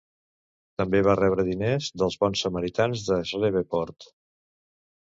També va rebre diners dels Bons Samaritans de Shreveport.